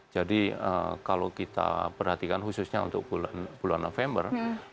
jadi kalau kita perhatikan khususnya untuk bulan november